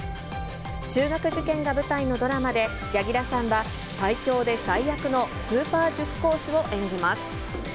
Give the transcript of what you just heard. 中学受験が舞台のドラマで、柳楽さんは最強で最悪のスーパー塾講師を演じます。